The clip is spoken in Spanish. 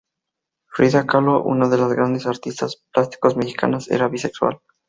Frida Kahlo, una de las grandes artistas plásticos mexicanas, era bisexual.